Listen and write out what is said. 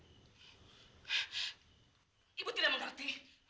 ibu tidak mengerti